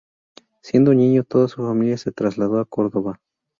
Siendo niño, toda su familia se trasladó a Córdoba.